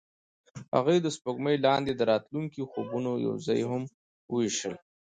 هغوی د سپوږمۍ لاندې د راتلونکي خوبونه یوځای هم وویشل.